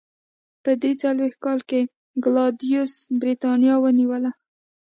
په درې څلوېښت کال کې کلاډیوس برېټانیا ونیوله.